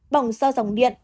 bỏng do dòng điện